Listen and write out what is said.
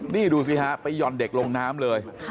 นี่ดูสิฮะไปหย่อนเด็กลงน้ำเลย